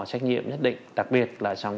trách nhiệm nhất định đặc biệt là trong